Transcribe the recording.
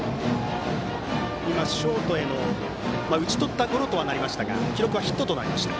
ショートへの打ち取ったゴロとはなりましたが記録はヒットとなりました。